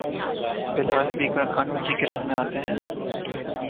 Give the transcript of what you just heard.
بلاول بھی قانون کی گرفت میں آتے ہیں